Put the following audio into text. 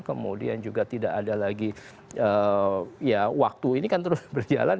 kemudian juga tidak ada lagi ya waktu ini kan terus berjalan